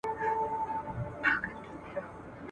د جګړې په ډګر کي څوک رالوېدلی وو؟